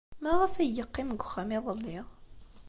Maɣef ay yeqqim deg uxxam iḍelli?